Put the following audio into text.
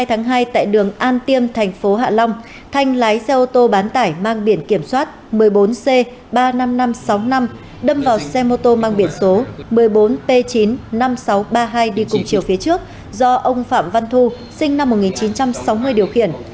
ngày hai tháng hai tại đường an tiêm thành phố hạ long thanh lái xe ô tô bán tải mang biển kiểm soát một mươi bốn c ba mươi năm nghìn năm trăm sáu mươi năm đâm vào xe mô tô mang biển số một mươi bốn p chín mươi năm nghìn sáu trăm ba mươi hai đi cùng chiều phía trước do ông phạm văn thu sinh năm một nghìn chín trăm sáu mươi điều khiển